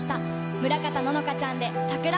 村方乃々佳ちゃんでさくら。